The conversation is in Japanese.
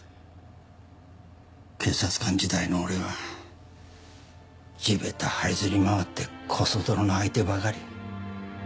警察官時代の俺は地べた這いずり回ってコソ泥の相手ばかり。